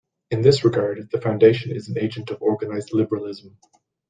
In this regard, the Foundation is an agent of organized liberalism.